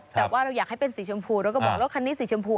แต่ว่าเราอยากให้เป็นสีชมพูแล้วก็บอกรถคันนี้สีชมพู